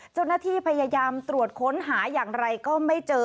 เจ้าหน้าที่พยายามตรวจค้นหาอย่างไรก็ไม่เจอ